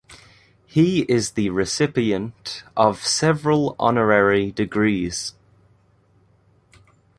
He is the recipient of several honorary degrees.